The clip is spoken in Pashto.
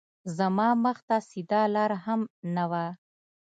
زما مخ ته سیده لار هم نه وه